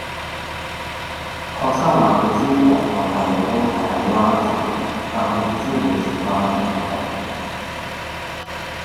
學生話佢知皇后大道東係喺灣仔，但係唔知有冇小巴經嗰度